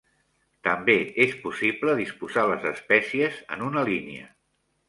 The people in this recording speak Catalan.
També és possible disposar les espècies en una línia.